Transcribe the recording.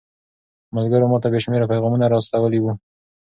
ملګرو ماته بې شمېره پيغامونه را استولي وو.